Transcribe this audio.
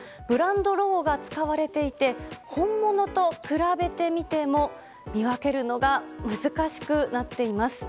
ブランドロゴが使われていて本物と比べてみても見分けるのが難しくなっています。